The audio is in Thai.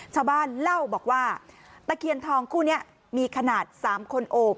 ชาวบ้านเล่าบอกว่าตะเคียนทองคู่นี้มีขนาด๓คนโอบ